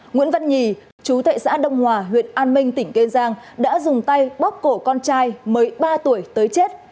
nguyễn văn nhì chú thệ xã đông hòa huyện an minh tỉnh kê giang đã dùng tay bóp cổ con trai mới ba tuổi tới chết